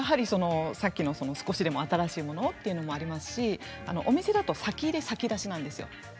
さっきの少しでも新しいものをというのもありますし、お店だと先入れ、先出しなんですよ。